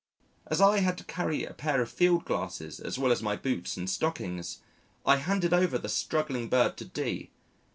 As I had to carry a pair of field glasses as well as my boots and stockings, I handed over the struggling bird to D